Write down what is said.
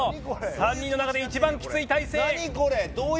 ３人の中で一番きつい体勢。